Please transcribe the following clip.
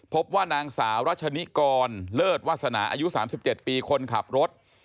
พบว่านางสาวรัชนิกรเลิศวาสนาอายุ๓๗ปีคนขับรถ